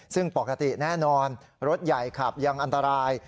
ซึ่งปกติแน่นอนรถใหญ่ขับยังอันตราย